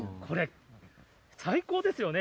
最高ですよね。